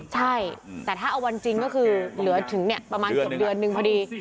ใช่แต่ถ้าเอาวันจริงก็คือเหลือถึงเนี่ยประมาณเดือนหนึ่งพอดี